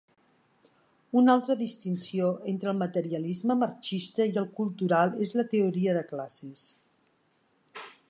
Una altra distinció entre el materialisme marxista i el cultural és la teoria de classes.